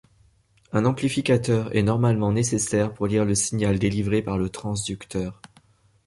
Un amplificateur est normalement nécessaire pour lire le signal délivré par le transducteur.